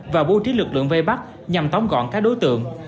và bố trí lực lượng vây bắt nhằm tóm gọn các đối tượng